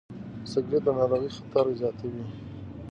سګرېټ د ناروغیو خطر زیاتوي.